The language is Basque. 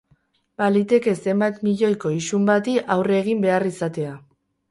Baliteke zenbait milioiko isun bati aurre egin behar izatea.